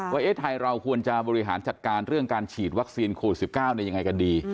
ว่าไทยเราควรจะบริหารจัดการเรื่องการฉีดวัคซีนโควิด๑๙ได้ยังไงกันดี